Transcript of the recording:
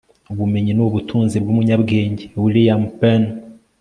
ubumenyi ni ubutunzi bw'umunyabwenge. - william penn